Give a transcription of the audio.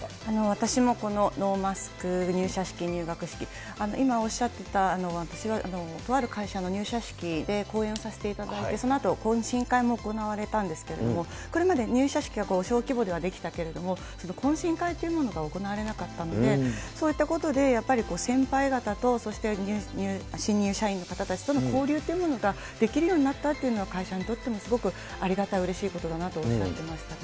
私もこのノーマスク、入社式入学式、今おっしゃってた、私は、とある会社の入社式で講演をさせていただいて、そのあと懇親会も行われたんですけれども、これまで入社式は、小規模ではできたけど、懇親会というものが、行われなかったので、そういったことで、やっぱり先輩方と、そして新入社員の方たちとの交流というものができるようになったっていうのは、会社にとっても、すごくありがたい、うれしいことだなとおっしゃってましたね。